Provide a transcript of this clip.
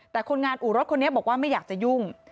แต่คนงานอู่รถคนนี้บอกว่าไม่อยากจะยุ่ง